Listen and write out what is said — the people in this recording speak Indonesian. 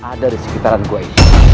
ada di sekitaran gue